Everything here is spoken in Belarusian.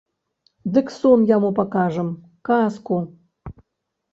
Дык сон яму пакажам, казку.